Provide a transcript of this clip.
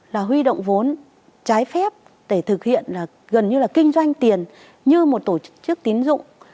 là huy động vốn trái phép để thực hiện gần như là kinh doanh tiền như một tổ chức tín dụng